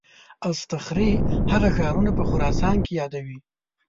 اصطخري هغه ښارونه په خراسان کې یادوي.